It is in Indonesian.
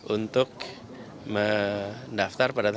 untuk mendaftar pengadilan